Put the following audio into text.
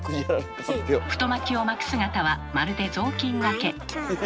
太巻きを巻く姿はまるで雑巾がけ。